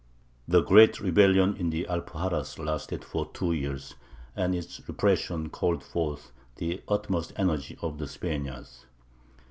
The great rebellion in the Alpuxarras lasted for two years, and its repression called forth the utmost energy of the Spaniards.